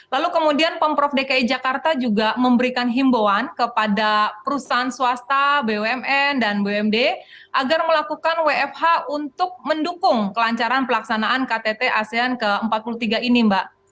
lalu kemudian pemprov dki jakarta juga memberikan himbauan kepada perusahaan swasta bumn dan bumd agar melakukan wfh untuk mendukung kelancaran pelaksanaan ktt asean ke empat puluh tiga ini mbak